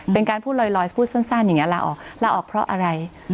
เป็นการพูดลอยพูดสั้นอย่างนี้ลาออกลาออกเพราะอะไร